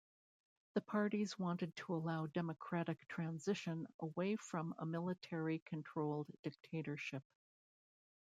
The parties wanted to allow democratic transition away from a military controlled dictatorship.